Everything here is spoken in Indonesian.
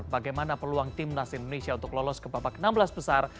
bagaimana peluang timnas indonesia untuk lolos ke babak enam belas besar